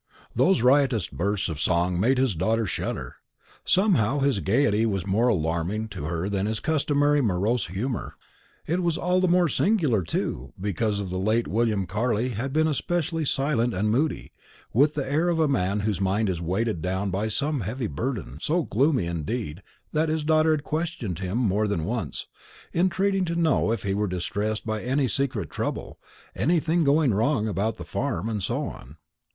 Those riotous bursts of song made his daughter shudder. Somehow, his gaiety was more alarming to her than his customary morose humour. It was all the more singular, too, because of late William Carley had been especially silent and moody, with the air of a man whose mind is weighed down by some heavy burden so gloomy indeed, that his daughter had questioned him more than once, entreating to know if he were distressed by any secret trouble, anything going wrong about the farm, and so on.